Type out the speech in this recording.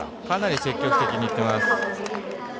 かなり積極的にいってます。